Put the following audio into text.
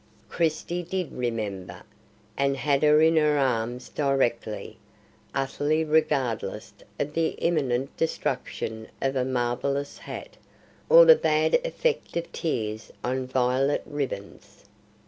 Christie did remember, and had her in her arms directly, utterly regardless of the imminent destruction of a marvellous hat, or the bad effect of tears on violet ribbons.